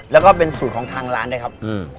แล้วก็เป็นสูตรของทางร้านด้วยครับ